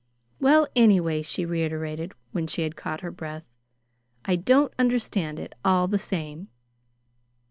"Well, anyway," she reiterated, when she had caught her breath, "I don't understand it, all the same."